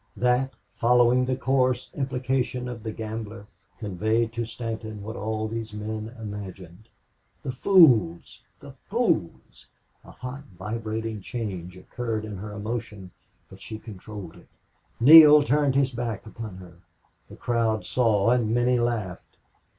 That, following the coarse implication of the gambler, conveyed to Stanton what all these men imagined. The fools! The fools! A hot vibrating change occurred in her emotion, but she controlled it. Neale turned his back upon her. The crowd saw and many laughed.